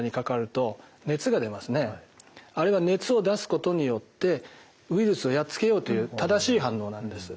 あれは熱を出すことによってウイルスをやっつけようという正しい反応なんです。